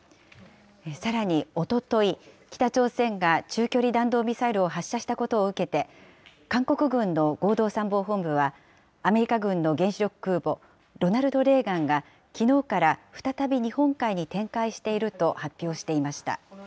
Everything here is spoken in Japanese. さらにおととい、北朝鮮が中距離弾道ミサイルを発射したことを受けて、韓国軍の合同参謀本部は、アメリカ軍の原子力空母、ロナルド・レーガンが、きのうから再び日本海に展開していると発表していました。